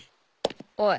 おい。